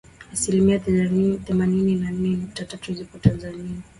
asilimia thelathini na nne nukta tatu zipo Tanzania